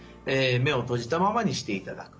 目をとじたままにしていただく。